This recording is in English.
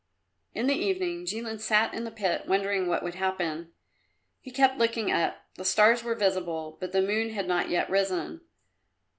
In the evening Jilin sat in the pit wondering what would happen. He kept looking up; the stars were visible, but the moon had not yet risen.